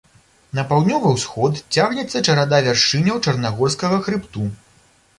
На паўднёвы ўсход цягнецца чарада вяршыняў чарнагорскага хрыбту.